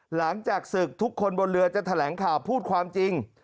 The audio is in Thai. หลังจากศึกทุกคนบนเรือจะแถลงข่าวพูดความจริง